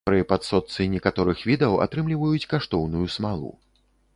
Пры падсочцы некаторых відаў атрымліваюць каштоўную смалу.